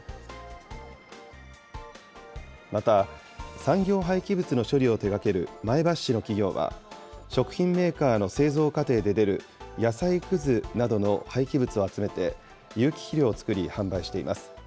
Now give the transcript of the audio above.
また、産業廃棄物の処理を手がける前橋市の企業は、食品メーカーの製造過程で出る野菜くずなどの廃棄物を集めて、有機肥料を作り、販売しています。